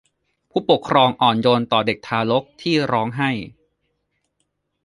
ผู้ปกครองอ่อนโยนต่อเด็กทารกที่ร้องไห้